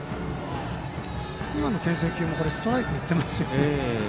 今のけん制球ストライクいっていますよね。